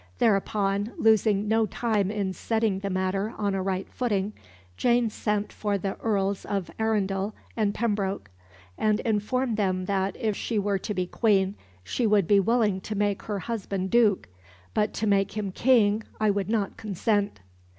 Thereupon, losing no time in setting the matter on a right footing, Jane sent for the Earls of Arundel and Pembroke, and informed them that, if she were to be Queen, she would be willing to make her husband Duke; "but to make him King I would not consent."